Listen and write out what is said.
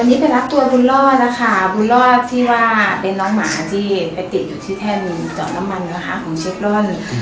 อันนี้เป็นนักตัวบุญรอดนะคะบุญรอดที่ว่าเป็นน้องหมาที่ไปติดอยู่ที่แท่นเจาะน้ำมันนะคะของเชคล่อน